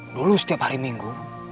dulu setiap hari minggu